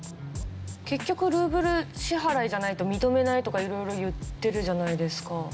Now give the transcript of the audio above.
結局ルーブル支払いじゃないと認めないとか色々言ってるじゃないですか。